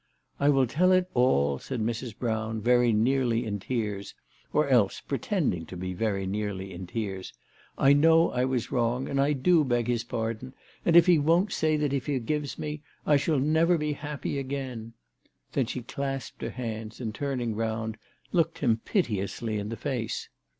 " I will tell it all," said Mrs. Brown, very nearly in tears, or else pretending to be very nearly in tears. " I know I was very wrong, and I do beg his pardon, and if he won't say that he forgives me I never shall be happy again." Then she clasped her hands, and turn ing round, looked him piteously in the face.